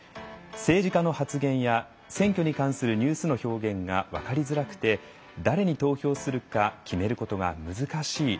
政治家の発言や選挙に関するニュースの表現が分かりづらくて誰に投票するか決めることが難しい。